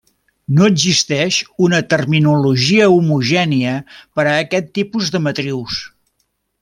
No existeix una terminologia homogènia per a aquest tipus de matrius.